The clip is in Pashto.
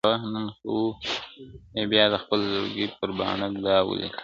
نن خو يې بيادخپل زړگي پر پاڼــه دا ولـيكل~